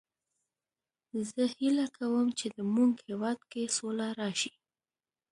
زه هیله کوم چې د مونږ هیواد کې سوله راشي